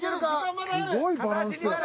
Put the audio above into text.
すごいバランスや。